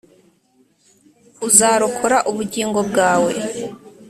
Uzarokora ubugingo bwawe